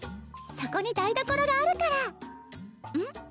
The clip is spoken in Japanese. そこに台所があるからうん？